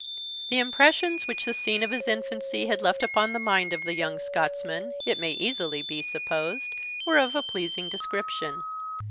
The impressions which the scenes of his infancy had left upon the mind of the young Scotsman, it may easily be supposed, were of a pleasing description.